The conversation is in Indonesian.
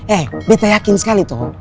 eh beta yakin sekali tuh